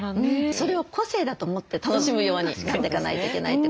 それを個性だと思って楽しむようにしていかないといけないってことですよね。